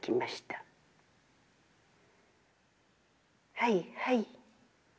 『はいはい』